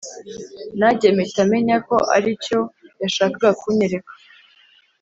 najye mpita menya ko aricyo yashakaga kunyereka!